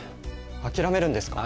諦めるんですか？